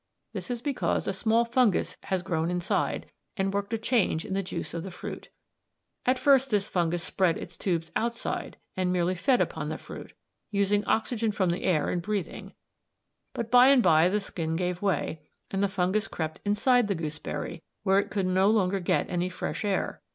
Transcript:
This is because a small fungus has grown inside, and worked a change in the juice of the fruit. At first this fungus spread its tubes outside and merely fed upon the fruit, using oxygen from the air in breathing; but by and by the skin gave way, and the fungus crept inside the gooseberry where it could no longer get any fresh air.